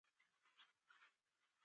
چرګان، مرغان او بېلابېل نور.